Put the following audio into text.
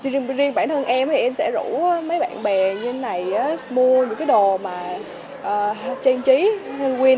riêng bản thân em thì em sẽ rủ mấy bạn bè như thế này mua những đồ trang trí halloween